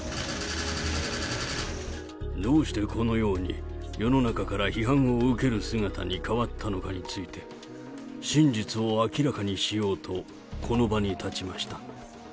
どうしてこのように世の中から批判を受ける姿に変わったのかについて、真実を明らかにしようとこの場に立ちました。